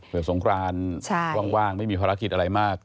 เผื่อทรงกรานว่างไม่มีภาระกิจอะไรมาก